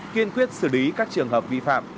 kiên quyết xử lý các trường hợp vi phạm